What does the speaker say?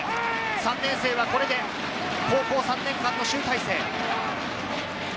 ３年生はこれで高校３年間の集大成。